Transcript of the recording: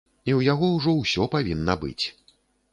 І ў яго ўжо ўсё павінна быць.